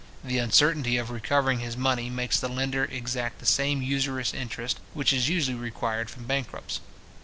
The uncertainty of recovering his money makes the lender exact the same usurious interest which is usually required from bankrupts.